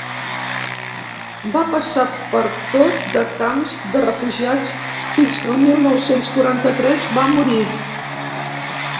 Va passar per tot de camps de refugiats fins que el mil nou-cents quaranta-tres va morir.